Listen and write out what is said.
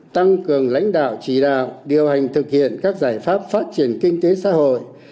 tăng cường lãnh đạo chỉ đạo điều hành thực hiện các giải pháp phát triển kinh tế xã hội